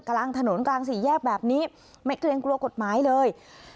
กลางถนนกลางสี่แยกแบบนี้ไม่เกรงกลัวกฎหมายเลย